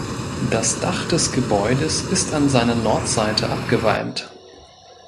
Das Dach des Gebäudes ist an seiner Nordseite abgewalmt.